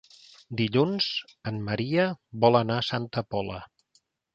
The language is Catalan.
Dilluns en Maria vol anar a Santa Pola.